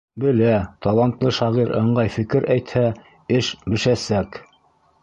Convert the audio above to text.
Белә: талантлы шағир ыңғай фекер әйтһә, эш бешәсәк.